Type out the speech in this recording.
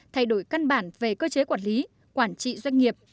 thay đổi căn bản về cơ chế quản lý quản trị doanh nghiệp